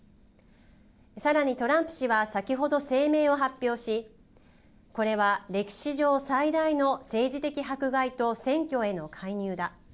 さらにトランプ氏は先ほど声明を発表しこれは歴史上、最大の政治的迫害と選挙への介入だ。